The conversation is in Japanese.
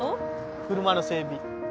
車の整備。